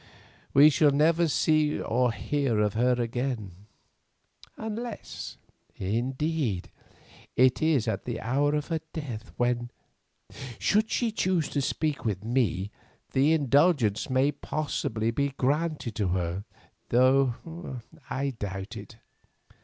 We shall never see or hear of her again, unless, indeed, it is at the hour of her death, when, should she choose to speak with me, the indulgence may possibly be granted to her, though I doubt it.